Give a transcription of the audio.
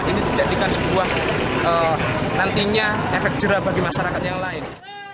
ini dijadikan sebuah nantinya efek jerah bagi masyarakat yang lain